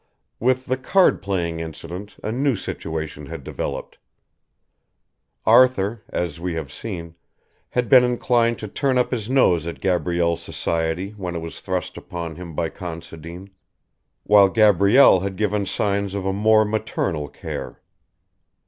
With the card playing incident a new situation had developed. Arthur, as we have seen, had been inclined to turn up his nose at Gabrielle's society when it was thrust upon him by Considine, while Gabrielle had given signs of a more maternal care.